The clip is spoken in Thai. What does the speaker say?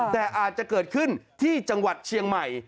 แต่อาจจะเกิดขึ้นที่จังหวัดเชียงใหม่